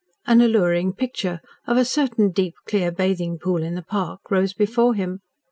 An alluring picture of a certain deep, clear bathing pool in the park rose before him.